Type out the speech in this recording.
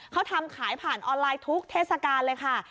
เขาทำขายผ่านออนไลน์ทุกเทศกาลเลยค่ะ